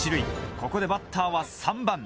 ここでバッターは３番。